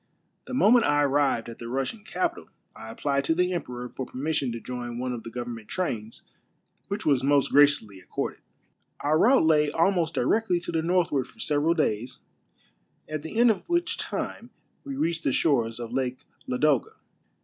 The moment I arrived at the Russian capital I applied to the emperor for permission to join one of the government trains, which was most graciously accorded. Our route lay almost directly to the northward for several days, at the end of which time we reached the shores of Lake Ladoga.